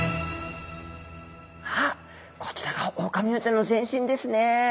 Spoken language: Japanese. あっこちらがオオカミウオちゃんの全身ですね。